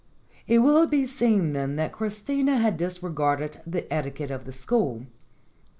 It will be seen, then, that Christina had disregarded the etiquette of the school.